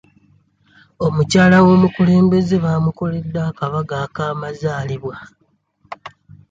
Omukyala w'omukulembeze baamukoledde akabaga k'amazaalibwa.